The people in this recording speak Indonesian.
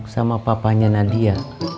sama papanya nadia